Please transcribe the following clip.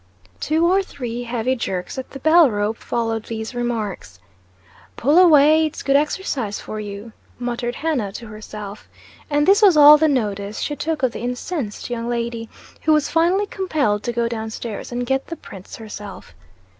Two or three heavy jerks at the bell rope followed these remarks. "Pull away! It's good exercise for you!" muttered Hannah to herself. And this was all the notice she took of the incensed young lady, who was finally compelled to go down stairs and get the prints herself.